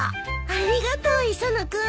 ありがとう磯野君。